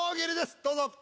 どうぞ。